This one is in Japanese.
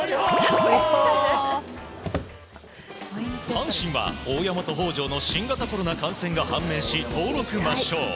阪神は大山と北條の新型コロナ感染が判明し登録抹消。